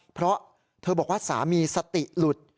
เพราะเธอบอกว่าสามีสติหลุด